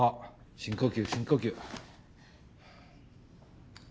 深呼吸深呼吸。